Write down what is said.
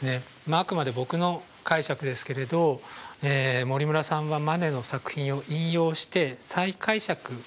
あくまで僕の解釈ですけれど森村さんはマネの作品を引用して再解釈をしたと。